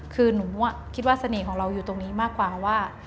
คือหนูคิดว่าเสน่ห์ของเราอยู่ตรงนี้มากกว่าว่า